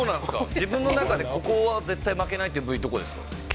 自分の中で、ここは絶対に負けないという部位、どこですか？